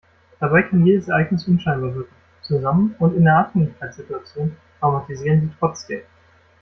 Dabei kann jedes Ereignis unscheinbar wirken, zusammen und in der Abhängigkeitssituation traumatisieren sie trotzdem.